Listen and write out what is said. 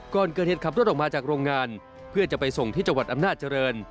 ก่อนเกิดเหตุขับรถออกมาจากโรงงานเพื่อจะไปส่งที่จังหวัดอำนาจเจริญ